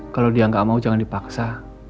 kalo dia gak mau jangan dipaksa